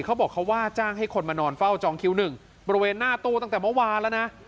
เขาบอกเขาว่าจ้างให้คนมานอนเฝ้าจองคิวหนึ่งบริเวณหน้าตู้ตั้งแต่เมื่อวานแล้วนะ